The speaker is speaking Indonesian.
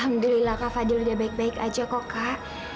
alhamdulillah kak fadil udah baik baik aja kok kak